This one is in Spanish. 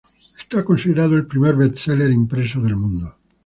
Es considerado el "primer bestseller impreso del mundo".